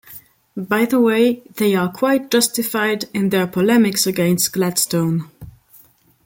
By the way, they are quite justified in their polemics against Gladstone.